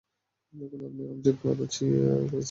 দেখুন, আপনি আমাদের যে কারও চেয়ে পরিস্থিতিটা ভালো করে জানেন।